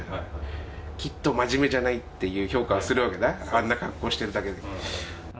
あんな格好しているだけで。